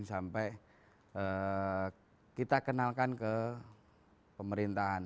sampai kita kenalkan ke pemerintahan